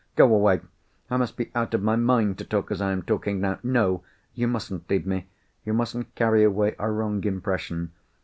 Go away! I must be out of my mind to talk as I am talking now. No! you mustn't leave me—you mustn't carry away a wrong impression.